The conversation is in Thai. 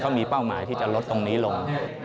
เขามีเป้าหมายที่จะลดตรงนี้ลง